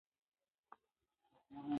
ب : عبدالوهاب خلاف رحمه الله وایی